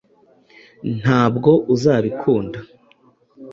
Ntabwo uzabikunda.